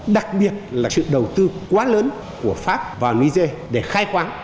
đặc biệt là sự đầu tư quá lớn của pháp vào niger để khai khoáng